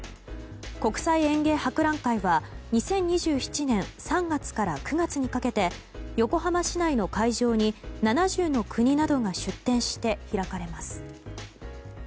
国際園芸博覧会は２０２７年３月から９月にかけて横浜市内の会場に７０の国などが出展して開かれます。